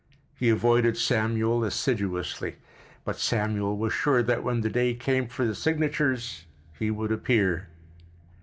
He avoided Samuel assiduously, but Samuel was sure that when the day came for the signatures he would appear.